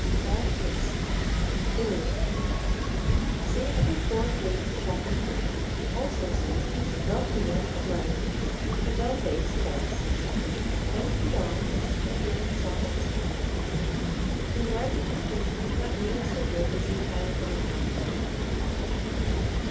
Bel Paese Italy See under Foreign Greats, Chapter 3. Also see Mel Fino, a blend, and Bel Paese types French Boudanne and German Saint Stefano. The American imitation is not nearly so good as the Italian original.